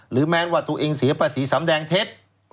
แม้ว่าตัวเองเสียภาษีสำแดงเท็จ